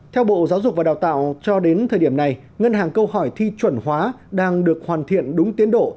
theo bộ giáo dục và đào tạo cho đến thời điểm này ngân hàng câu hỏi thi chuẩn hóa đang được hoàn thiện đúng tiến độ